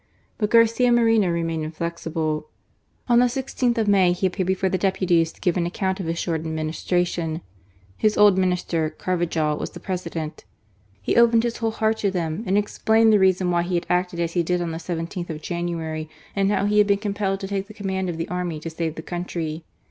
But Garcia Moreno remained inflex ible. On the i6th of May he appeared before the deputies to give an account of his short administra tion. His old Minister, Carvajal, was the President. He opened his whole heart to them, explained the A PRESIDENT IN SPITE OF HIMSELF. 207 reason why he had acted as he did on the 17th of January, and how he had been compelled to take the command of the army to save the country.